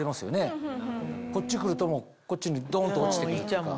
こっち来るとこっちにドン！と落ちて行くっていうか。